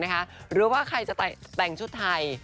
หรือว่าใครจะแต่งชุดไทย